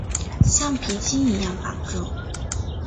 橡皮筋一样绑住